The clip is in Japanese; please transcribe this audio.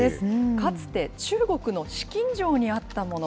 かつて中国の紫禁城にあったもの。